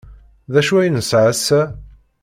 D acu ay nesɛa ass-a?